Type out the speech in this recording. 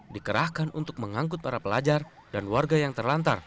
dikerahkan untuk mengangkut para pelajar dan warga yang terlantar